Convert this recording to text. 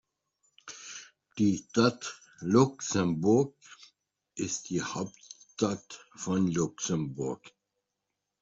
Die Stadt Luxemburg ist die Hauptstadt von Luxemburg.